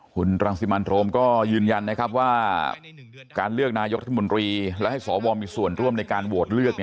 คุณรังสิมันโรมก็ยืนยันนะครับว่าการเลือกนายกรัฐมนตรีและให้สวมีส่วนร่วมในการโหวตเลือก